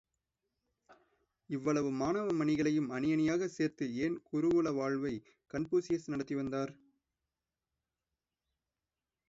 இவ்வளவு மாணவ மணிகளையும் அணியணியாக சேர்த்து ஏன் குருகுல வாழ்வை கன்பூசியஸ் நடத்தி வந்தார்?